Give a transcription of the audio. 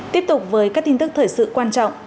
tiếp tục với các tin tức thời sự quan trọng